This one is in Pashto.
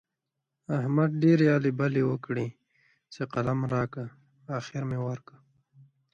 احمد ډېرې هلې بلې وکړې چې قلم دې راکړه؛ اخېر مې ورکړ.